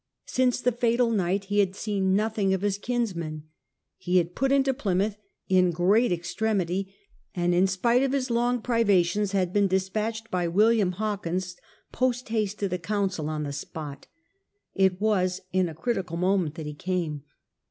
Since the fatal night he had seen nothing of his kinsman. He had put into Plymouth in great extremity, and in spite of his long privations, had been despatched by William Hawkins post haste to the Council on the spot. It was in a critical moment that he came.